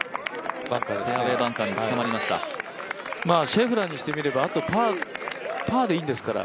シェフラーにしてみればあとはパーでいいんですから。